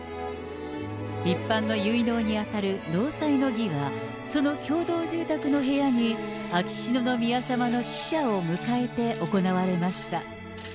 一般の結納に当たる納采の儀は、その共同住宅の部屋に秋篠宮さまの使者を迎えて行われました。